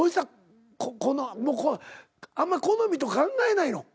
あんま好みとか考えないの？